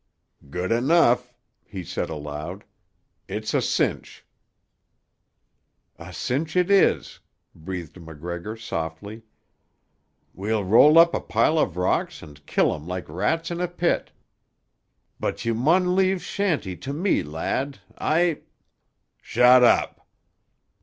"Good enough," he said aloud. "It's a cinch." "A cinch it is," breathed MacGregor softly. "We'll roll up a pile of rocks and kill 'em like rats in a pit. But you maun leave Shanty to me, lad, I——" "Shut up!"